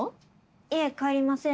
いえ帰りません。